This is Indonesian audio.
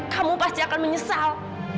kamu pasti akan menyesal